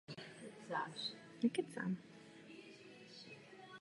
Irsko se jako jeden z nejhorších týmů žebříčku celků na druhých místech zúčastnilo baráže.